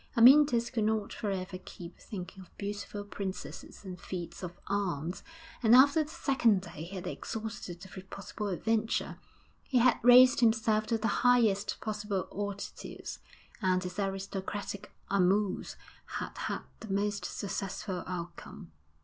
Amyntas could not for ever keep thinking of beautiful princesses and feats of arms, and after the second day he had exhausted every possible adventure; he had raised himself to the highest possible altitudes, and his aristocratic amours had had the most successful outcome.